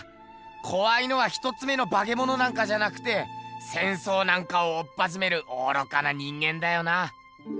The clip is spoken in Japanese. こわいのは一つ目のバケモノなんかじゃなくて戦争なんかをおっぱじめる愚かな人間だよな。